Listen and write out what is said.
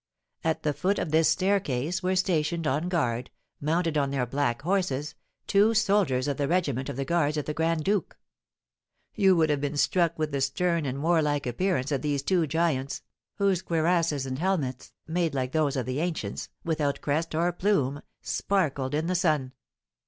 At the foot of this staircase were stationed on guard, mounted on their black horses, two soldiers of the regiment of the guards of the grand duke. You would have been struck with the stern and warlike appearance of these two giants, whose cuirasses and helmets, made like those of the ancients, without crest or plume, sparkled in the sun.